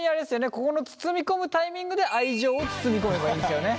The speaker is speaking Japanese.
ここの包み込むタイミングで愛情を包み込めばいいんですよね？